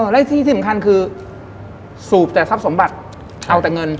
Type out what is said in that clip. และที่สำคัญคือสูบแต่ทรัพย์สมบัติเอาแต่เงิน